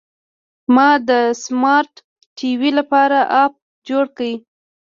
ما د سمارټ ټي وي لپاره اپ جوړ کړ.